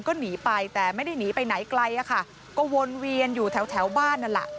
ก็หนีไปแต่ไม่ได้หนีไปไหนไกลก็วนเวียนอยู่แท้วบ้านนั่นละ